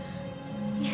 いえ。